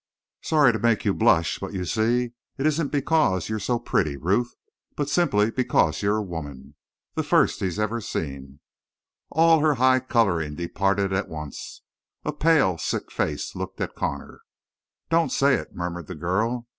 "Sorry to make you blush. But you see, it isn't because you're so pretty, Ruth, but simply because you're a woman. The first he's ever seen." All her high coloring departed at once; a pale, sick face looked at Connor. "Don't say it," murmured the girl.